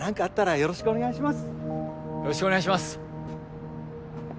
よろしくお願いします。